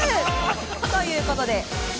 ということで。